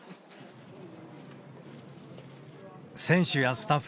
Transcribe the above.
選手やスタッフ